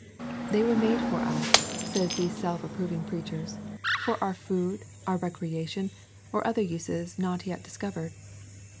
"They were made for us," say these self approving preachers; "for our food, our recreation, or other uses not yet discovered."